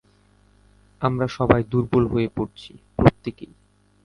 আমরা সবাই দুর্বল হয়ে পড়ছি, প্রত্যেকেই।